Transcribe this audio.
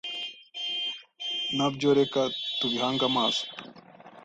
Nabyo reka tubihange amaso